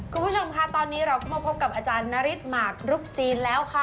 คุณผู้ชมค่ะตอนนี้เราก็มาพบกับอาจารย์นฤทธิหมากรุกจีนแล้วค่ะ